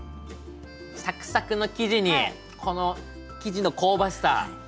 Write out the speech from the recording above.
サクサクの生地にこの生地の香ばしさ。